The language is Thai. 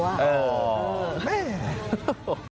อ๋อแม่ฮ่า